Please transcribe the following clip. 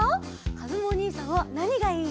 かずむおにいさんはなにがいい？